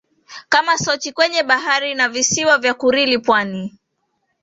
kama Sochi kwenye Bahari na visiwa vya Kurili Pwani